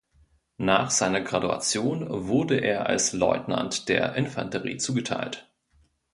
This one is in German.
Nach seiner Graduation wurde er als Leutnant der Infanterie zugeteilt.